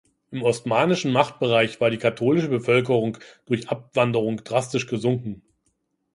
Im osmanischen Machtbereich war die katholische Bevölkerung durch Abwanderung drastisch gesunken.